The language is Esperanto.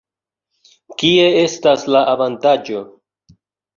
Kie estas la avantaĝo?